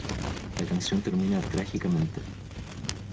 La canción termina trágicamente.